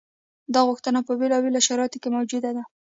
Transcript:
دا غوښتنه په بېلابېلو شرایطو کې موجوده ده.